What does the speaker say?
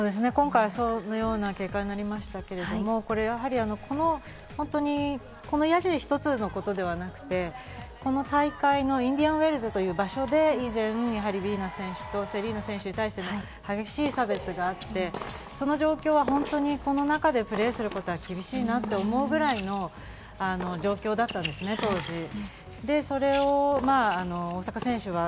今回はそのような結果なりましたけれども、やはりこのヤジ一つの事ではなくてこの大会のインディアンウェルズという場所で以前、ビーナス選手とセリーナ選手に対して激しい差別があって、その状況は本当にこの中でプレーすることは厳しいなって思うぐらいの状況だったのです、当時。